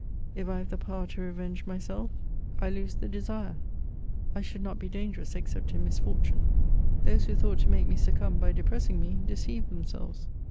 If I have the power to revenge myself, I lose the 92 MEMOIRS OF desire ; I should not be dangerous except in misfortune. Those who thought to make me succumb by depressing m^, deceived themselves.